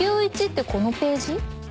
Ｑ１ってこのページ？